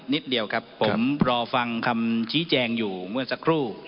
นิดเดียวครับผมรอฟังคำชี้แจงอยู่เมื่อสักครู่